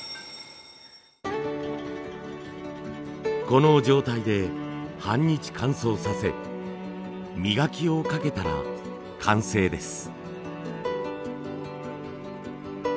この状態で半日乾燥させ磨きをかけたら完成です。